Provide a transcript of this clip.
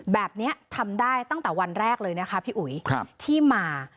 แบบนี้ทำได้ตั้งแต่วันแรกเลยนะคะพี่อุ๋ยที่มา